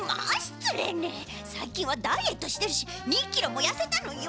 さいきんはダイエットしてるし２キロもやせたのよ！